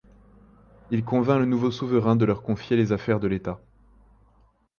Il convainc le nouveau souverain de leur confier les affaires de l’État.